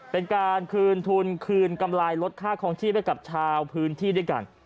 เป็นการคืนทุนคืนกำไรลดค่าคลองชีพให้กับชาวพื้นที่ด้วยกัน